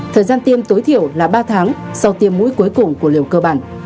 thời gian tiêm tối thiểu là ba tháng sau tiêm mũi cuối cùng của liều cơ bản